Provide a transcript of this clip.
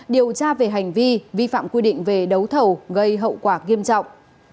điều tra về hành vi vi phạm quy định về đấu thầu gây hậu quả nghiêm trọng